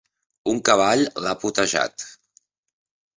Un cavall l'ha potejat.